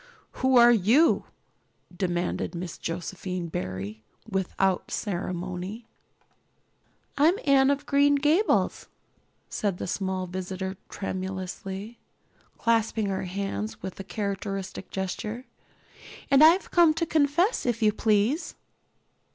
"Who are you?" demanded Miss Josephine Barry, without ceremony. "I'm Anne of Green Gables," said the small visitor tremulously, clasping her hands with her characteristic gesture, "and I've come to confess, if you please."